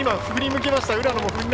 振り向きました。